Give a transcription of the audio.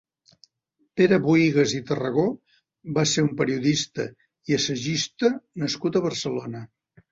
Pere Bohigas i Tarragó va ser un periodista i assagista nascut a Barcelona.